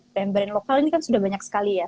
brand lokal ini kan sudah banyak sekali ya